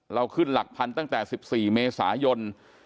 ขึ้นหลักพันธุ์ตั้งแต่๑๔เมษายน